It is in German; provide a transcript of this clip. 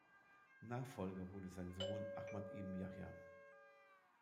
Nachfolger wurde sein Sohn Ahmad ibn Yahya.